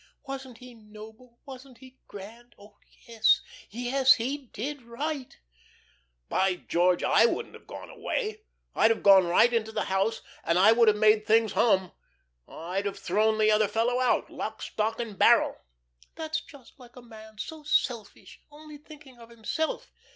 Wasn't he noble? Wasn't he grand? Oh, yes, yes, he did right." "By George, I wouldn't have gone away. I'd have gone right into that house, and I would have made things hum. I'd have thrown the other fellow out, lock, stock, and barrel." "That's just like a man, so selfish, only thinking of himself.